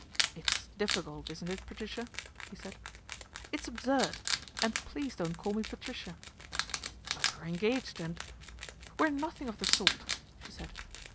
" It's difficult, isn't it, Patricia ?" he said. " It's absurd, and please don't call me Pat ricia." " But we're engaged and "' We're nothing of the sort," she said.